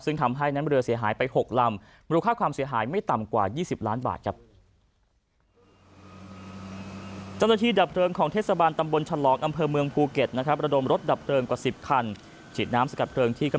ซึ่งทำให้นั้นเรือเสียหายไปหกลำม